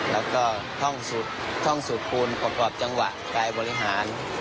แล้วก็ท่องสูตรคูณประกอบจังหวะการบริหาร